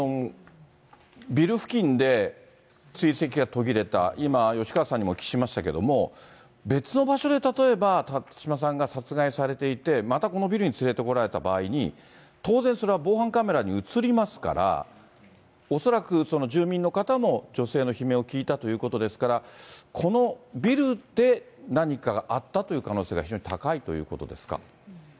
ビル付近で追跡が途切れた、今、吉川さんにもお聞きしましたけども、別の場所で例えば辰島さんが殺害されていて、またこのビルに連れてこられた場合に、当然それは、防犯カメラに写りますから、恐らく住民の方も女性の悲鳴を聞いたということですから、このビルで何かがあったという可能性が非常に高いということです